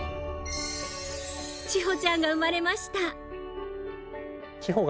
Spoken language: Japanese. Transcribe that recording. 千穂ちゃんが生まれました。